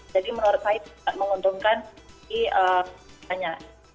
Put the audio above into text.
jadi menurut saya menguntungkan di sana